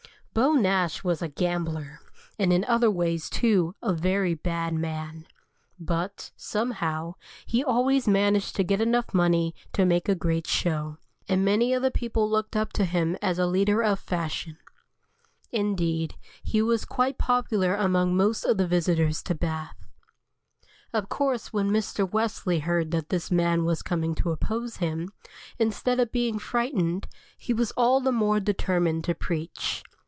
Beau Nash was a gambler, and in other ways, too, a very bad man. But, somehow, he always managed to get enough money to make a great show, and many of the people looked up to him as a leader of fashion. Indeed, he was quite popular among most of the visitors to Bath. Of course when Mr. Wesley heard that this man was coming to oppose him, instead of being frightened, he was all the more determined to preach.